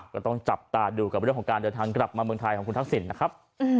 ก็ต้องจับตาดูกับเรื่องของการเดินทางกลับมาเมืองไทยของคุณทักษิณนะครับ